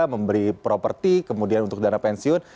memberi properti kemudian untuk dana pensiun